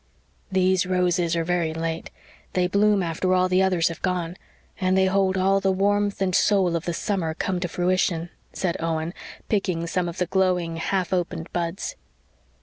"These roses are very late they bloom after all the others have gone and they hold all the warmth and soul of the summer come to fruition," said Owen, plucking some of the glowing, half opened buds.